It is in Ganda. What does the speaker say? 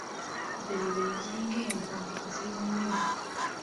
"Be benzi ng’embwa, bazibu nnyo."